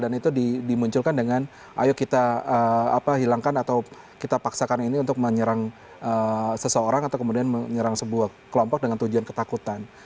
dan itu dimunculkan dengan ayo kita hilangkan atau kita paksakan ini untuk menyerang seseorang atau kemudian menyerang sebuah kelompok dengan tujuan ketakutan